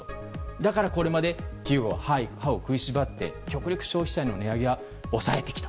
だからこれまで歯を食いしばって極力、消費者に値上げは抑えてきた。